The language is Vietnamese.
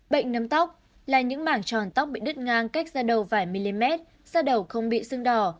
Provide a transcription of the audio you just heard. bệnh nấm tóc là những mảng tròn tóc bị đứt ngang cách ra đầu vài mm ra đầu không bị sưng đỏ